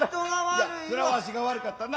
いやそらわしが悪かったな。